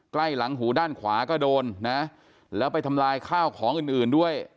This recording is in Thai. ใกล้หลังหูด้านขวาก็โดนนะแล้วไปทำลายข้าวของอื่นอื่นด้วย